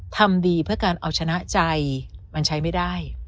ทำดีเพื่อการเอาชนะใจมันใช้ไม่ได้